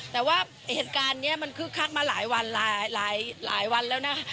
แต่ว่าเหตุการณ์นี้มันคึกคักมาหลายวันหลายวันแล้วนะ